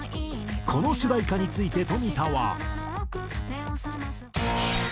この主題歌について冨田は。